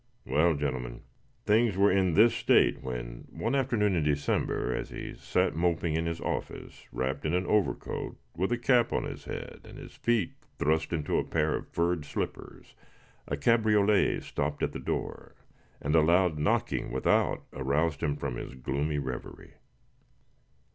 Well, gentlemen, things were in this state when, one afternoon in December, as he sat moping in his office, wrapped in an overcoat, with a cap on his head and his feet thrust into a pair of furred slippers, a cabriolet stopped at the door, and a loud knocking without aroused him from his gloomy revery.